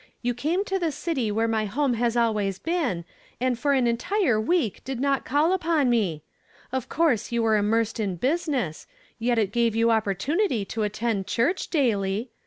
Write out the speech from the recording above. You came to the city where my home has always been, and for an entire week did not call upon me. Of course you were im. mersed in business, yet it gave you opportunity '' HOl'E DEFKURED." 275 I were ini to attend clnirch daily.